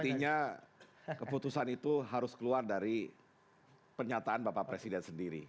artinya keputusan itu harus keluar dari pernyataan bapak presiden sendiri